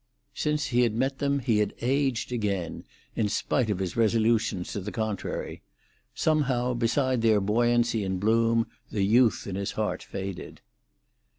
Since he had met them he had aged again, in spite of his resolutions to the contrary; somehow, beside their buoyancy and bloom, the youth in his heart faded.